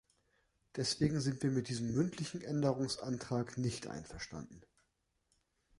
Deswegen sind wir mit diesem mündlichen Änderungsantrag nicht einverstanden.